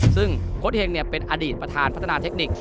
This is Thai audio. ซึ่งโค้ดเฮงเป็นอดีตประธานพัฒนาเทคนิค